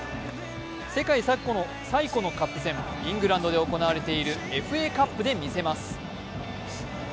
世界最古のカップ戦、イングランドで行われているＦＡカップで見せます。